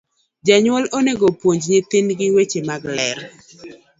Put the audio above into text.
Jonyuol onego opuonj nyithind gi weche mag ler